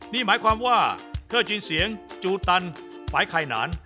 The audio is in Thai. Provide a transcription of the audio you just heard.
นี่หมายความว่าเธอยินเสียงจูตันฝ่ายไข่หนาน